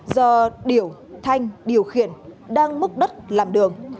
do điểu thanh điều khiển đang múc đất làm đường